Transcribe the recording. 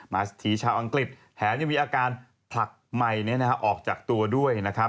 มาสถีชาวอังกฤษแถมยังมีอาการผลักใหม่ออกจากตัวด้วย